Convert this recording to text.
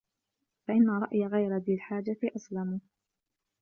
فَإِنَّ رَأْيَ غَيْرِ ذِي الْحَاجَةِ أَسْلَمُ